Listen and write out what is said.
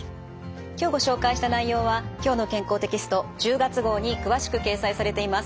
今日ご紹介した内容は「きょうの健康」テキスト１０月号に詳しく掲載されています。